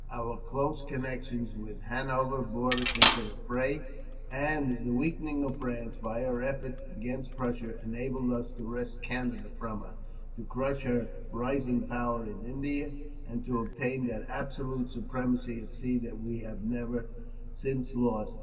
Our close connection with Hanover brought us into the fray; and the weakening of France, by her efforts against Prussia, enabled us to wrest Canada from her, to crush her rising power in India, and to obtain that absolute supremacy at sea that we have never, since, lost.